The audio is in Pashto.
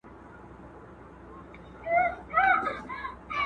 سوسیالستي هیوادونو تګلارې دود کړې دي.